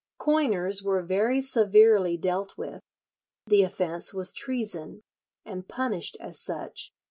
Coiners were very severely dealt with. The offence was treason, and punished as such.